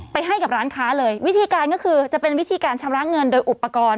ให้กับร้านค้าเลยวิธีการก็คือจะเป็นวิธีการชำระเงินโดยอุปกรณ์